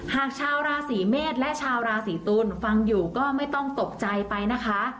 หากชาวราศีเมษและชาวราศีตุลฟังอยู่ก็ไม่ต้องตกใจไปนะคะ